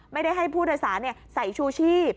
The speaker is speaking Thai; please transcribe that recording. ไม่ได้ให้ผู้โดยสารใส่ชูชีพ